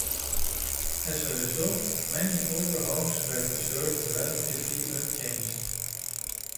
As a result, many older homes were preserved relatively unchanged.